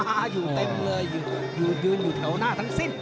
มาอยู่เต็มเลยอยู่ยืนอยู่แถวหน้าทั้งสิ้น